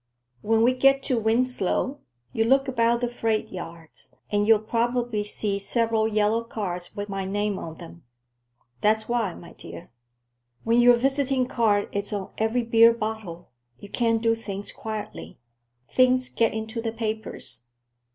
"When we get to Winslow, you look about the freight yards and you'll probably see several yellow cars with my name on them. That's why, my dear. When your visiting card is on every beer bottle, you can't do things quietly. Things get into the papers."